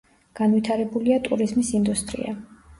განვითარებულია ტურიზმის ინდუსტრია.